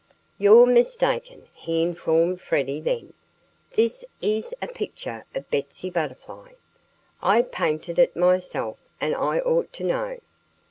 "You're mistaken," he informed Freddie then. "This is a picture of Betsy Butterfly. I painted it myself; and I ought to know.